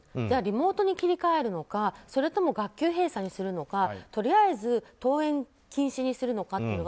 じゃあリモートに切り替えるのかそれとも学級閉鎖にするのかとりあえず登園禁止にするのか